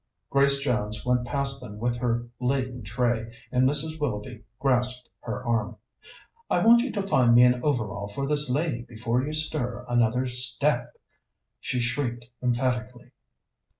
Grace Jones went past them with her laden tray, and Mrs. Willoughby grasped her arm. "I want you to find me an overall for this lady before you stir another step," she shrieked emphatically.